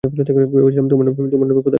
ভেবেছিলাম তোর নামে খোদা কাছে অভিযোগ করব।